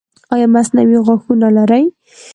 ایا مصنوعي غاښونه لرئ؟